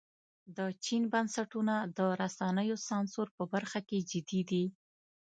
د چین بنسټونه د رسنیو سانسور په برخه کې جدي دي.